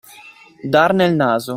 Dar nel naso.